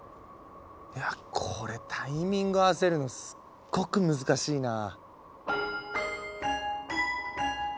いやこれタイミング合わせるのすっごく難しいなぁ。